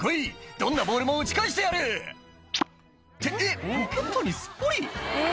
どんなボールも打ち返してやる」ってえぇ？